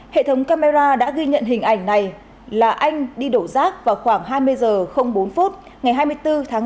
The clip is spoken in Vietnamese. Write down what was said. hệ thống camera đã ghi nhận hình ảnh này là anh đi đổ rác vào khoảng hai mươi h bốn ngày hai mươi bốn tháng năm